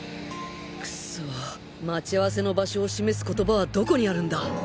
クソッ待ち合わせの場所を示す言葉はどこにあるんだ？